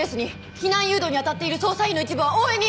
避難誘導に当たっている捜査員の一部は応援に！